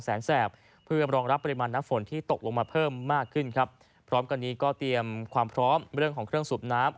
แสบเพื่อรองรับปริมาณน้ำฝนที่ตกลงมาเพิ่มมากขึ้นครับพร้อมกันนี้ก็เตรียมความพร้อมเรื่องของเครื่องสูบน้ำ